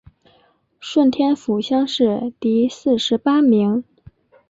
顺天府乡试第四十八名。